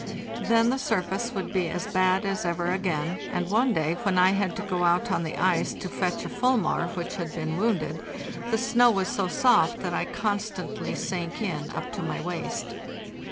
Then the sur face would be as bad as ever again, and one day when I had to go out on the ice to fetch a fulmar which had been wounded, the snow was so soft that I constantly sank in up to my waist.